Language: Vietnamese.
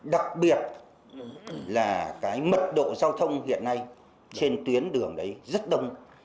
đặc biệt là cái mật độ giao thông hiện nay trên tuyến đường đấy rất đông